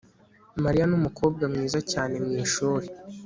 Mariya numukobwa mwiza cyane mwishuri